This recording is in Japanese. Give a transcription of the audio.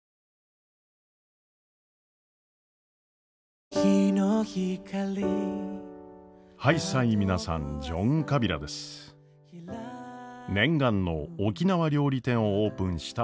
念願の沖縄料理店をオープンした暢子。